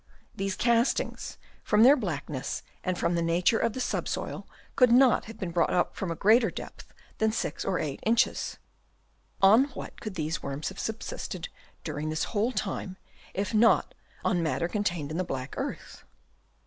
These castings from their blackness and from the nature of the subsoil could not have been brought up from a greater depth than 6 or 8 inches. On what could these worms have subsisted during this whole time, if not on matter contained in the black earth?